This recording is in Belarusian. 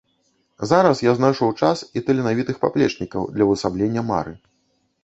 Зараз я знайшоў час і таленавітых паплечнікаў для ўвасаблення мары.